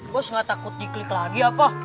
bos gak takut di klik lagi apa